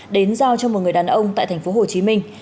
đến giao cho một người đàn ông tại thành phố hồ chí minh